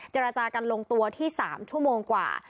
เจรจากันลงตัวที่๓ชั่วโมงกว่า